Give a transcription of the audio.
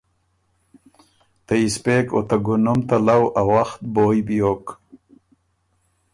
ته یِسپېک او ته ګُونُم ته لؤ ا وخت بویٛ بیوک۔